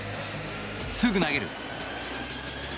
すぐ投げる。